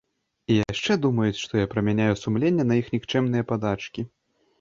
І яшчэ думаюць, што я прамяняю сумленне на іх нікчэмныя падачкі.